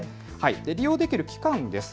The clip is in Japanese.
利用できる期間です。